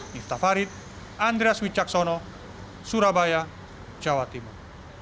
miftah farid andres wicaksono surabaya jawa timur